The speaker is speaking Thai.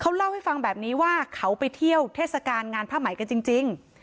เขาเล่าให้ฟังแบบนี้ว่าเขาไปเที่ยวเทศกาลงานผ้าไหมกันจริง